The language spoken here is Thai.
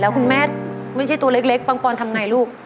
แล้วคุณแม่ไม่ใช่ตัวเล็กปังปอนทำไงลูก